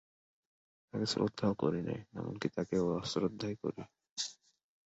তাঁকে শ্রদ্ধাও করি নে, এমন-কি তাঁকে অশ্রদ্ধাই করি।